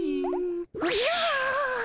おじゃ！